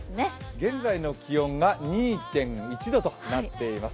現在の気温が２．１度となっています。